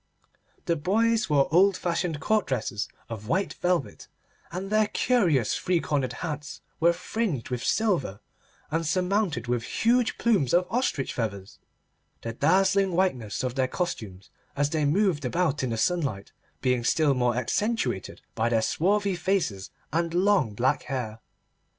The boys wore old fashioned court dresses of white velvet, and their curious three cornered hats were fringed with silver and surmounted with huge plumes of ostrich feathers, the dazzling whiteness of their costumes, as they moved about in the sunlight, being still more accentuated by their swarthy faces and long black hair.